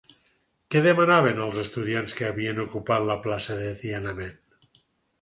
Què demanaven els estudiants que havien ocupat la plaça de Tiananmen?